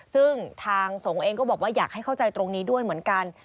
ซึ่งทางสงฆ์เองก็บอกว่าอยากให้เข้าใจตรงนี้ด้วยเหมือนกัน